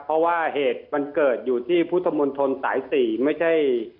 เพราะว่าเหตุมันเกิดอยู่ที่พุทธมนต์ธนด้วยสาย๔